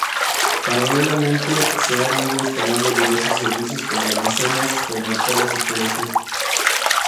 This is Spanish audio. Paralelamente, se han ido instalando diversos servicios como almacenes, supermercados y colegios.